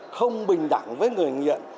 không bình đẳng với người nghiện